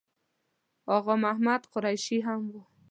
آغا محمد قریشي هم و.